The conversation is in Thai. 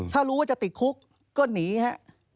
ถ้ารู้ว่าจะติดคุกก็หนีฮะ